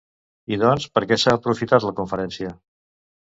I doncs, per què s'ha aprofitat la conferència?